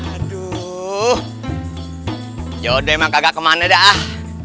aduh yaudah emang kagak kemana dah